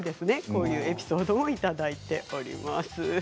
こういうエピソードをいただいております。